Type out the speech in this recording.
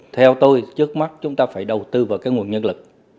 theo tôi trước mắt chúng ta phải đầu tư vào cái nguồn nhân lực